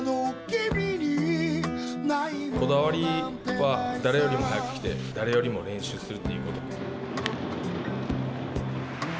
こだわりは、誰よりも早く来て、誰よりも練習するということ。